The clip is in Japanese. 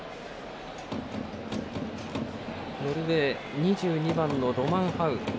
ノルウェー、２２番のロマンハウ。